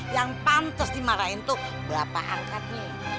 yang pantes dimarahin tuh bapak angkatnya